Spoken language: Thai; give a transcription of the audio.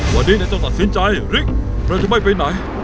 วันนี้ในเจ้าสัตว์สินใจริ๊กและถึงไม่ไปไหน